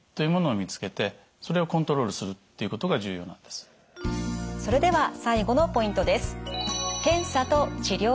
そのためにそれでは最後のポイントです。